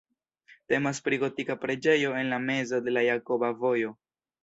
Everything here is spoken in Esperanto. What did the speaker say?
Temas pri gotika preĝejo en la mezo de la Jakoba Vojo.